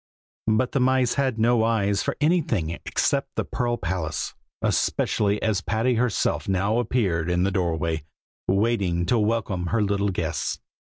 But the mice had no eyes for anything except the pearl palace, especially as Patty herself now appeared in the doorway, waiting to welcome her little guests.